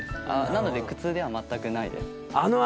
なので苦痛では全くないです。